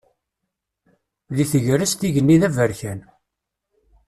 Deg tegrest igenni d aberkan.